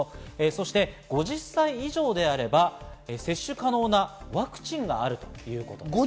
そして５０歳以上であれば接種可能なワクチンがあるということです。